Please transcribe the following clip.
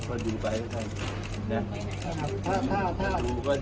แต่คนใกล้คิดว่าอยากจะพักผ่อนไปดูแลสุขภาพเนี่ยคุณท่านได้ความตั้งใจกับการที่จะทำเนี่ย